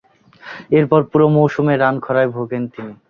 এরপর পুরো মৌসুমে রান খরায় ভোগেন তিনি।